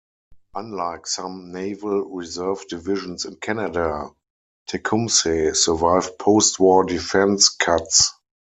Unlike some Naval Reserve divisions in Canada, "Tecumseh" survived post-war defence cuts.